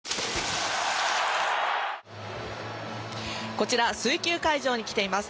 こちら水球会場に来ています。